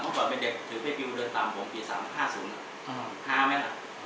เมื่อก่อนเป็นเด็กถือเฟฟิวเดินตามผมปี๓๕๐น่ะ๕ไหมครับ